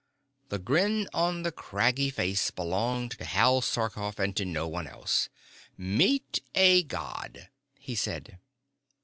The grin on the craggy face belonged to Hal Sarkoff and to no one else. "Meet a god," he said.